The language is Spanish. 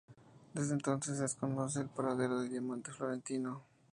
Desde entonces se desconoce el paradero del Diamante Florentino.